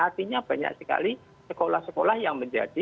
artinya banyak sekali sekolah sekolah yang menjadi